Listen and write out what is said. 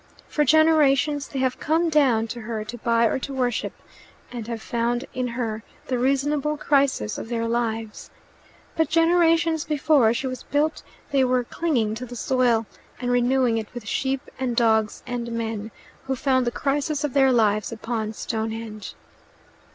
For generations they have come down to her to buy or to worship, and have found in her the reasonable crisis of their lives; but generations before she was built they were clinging to the soil, and renewing it with sheep and dogs and men, who found the crisis of their lives upon Stonehenge.